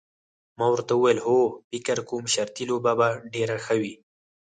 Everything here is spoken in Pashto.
ما ورته وویل هو فکر کوم شرطي لوبه به ډېره ښه وي.